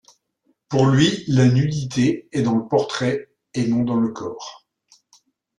Pour lui, la nudité est dans le portrait et non dans le corps.